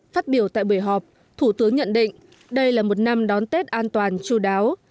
phát biểu tại buổi họp thủ tướng nhận định đây là một năm đón tết an toàn chú đáo